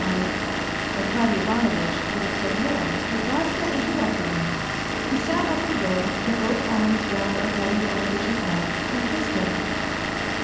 I " Arkady Ivanovitch would have said more, but Vasya inter rupted him. He sat up in bed, put both arms round Arkady Ivanovitch's neck and kissed him.